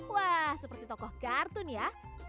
wah seperti tokoh kartun ya